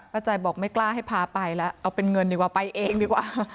ใจบอกไม่กล้าให้พาไปแล้วเอาเป็นเงินดีกว่าไปเองดีกว่า